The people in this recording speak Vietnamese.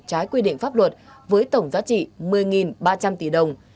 trái quy định pháp luật với tổng giá trị một mươi ba trăm linh tỷ đồng